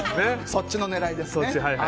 そっちの狙いですね。